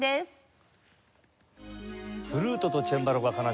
フルートとチェンバロが奏でる